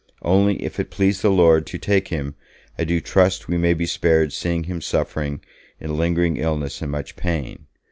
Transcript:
Only, if it please the Lord to take him, I do trust we may be spared seeing him suffering in lingering illness and much pain.